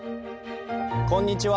こんにちは。